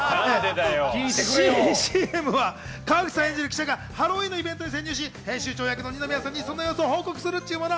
新ＣＭは川口さん演じる記者がハロウィーンのイベントに潜入し、編集長役の二宮さんにその様子を報告するというもの。